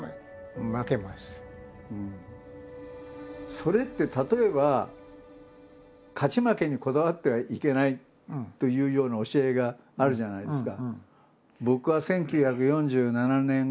それって例えば勝ち負けにこだわってはいけないというような教えがあるじゃないですか。